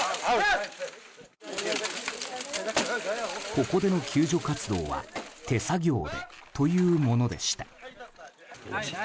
ここでの救助活動は手作業でというものでした。